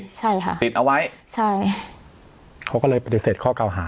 ใช่ค่ะติดเอาไว้ใช่เขาก็เลยปฏิเสธข้อเก่าหา